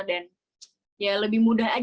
ya lebih mudah aja